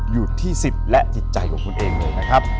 อยู่ที่สิทธิ์และจิตใจของคุณเองเลยนะครับ